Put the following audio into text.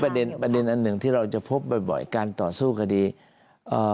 ประเด็นประเด็นอันหนึ่งที่เราจะพบบ่อยบ่อยการต่อสู้คดีเอ่อ